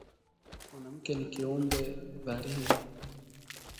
Mwanamke ni kiumbe dhalili